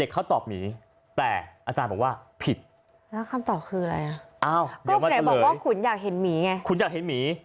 ก็ไหนบอกว่าขุนอยากเห็นหมีไงขุนอยากเห็นหมี